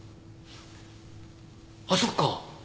あっそっか！